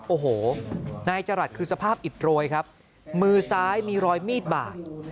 โอ้โหนายจรัสคือสภาพอิดโรยครับมือซ้ายมีรอยมีดบาด